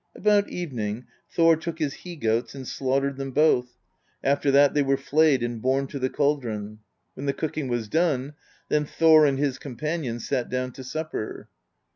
About evening, Thor took his he goats and slaughtered them both; after that they were flayed and borne to the caldron. When the cooking was done, then Thor and his companion sat down to supper.